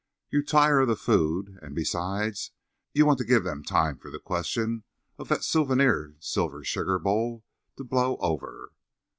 You tire of the food; and, besides, you want to give them time for the question of that souvenir silver sugar bowl to blow over.